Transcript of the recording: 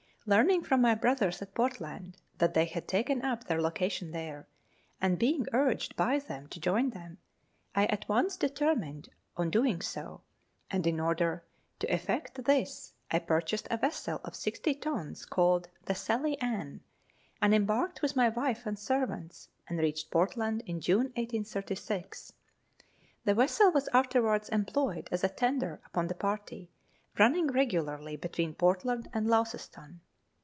Learning from my brothers at Portland that they had taken up their location there, and being urged by them to join them, I at once determined on doing so, and in order to effect this I purchased a vessel of sixty ton a called the Sally Ann, and embarked Avith my wife and servants, and reached Portland in June 1836. The vessel was afterwards em ployed as a tender upon the party, running regularly between Port land and Launceston.